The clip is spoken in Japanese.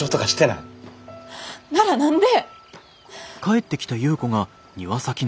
なら何で？